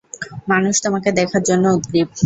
মানুষ তোমাকে দেখার জন্য উদগ্রীব।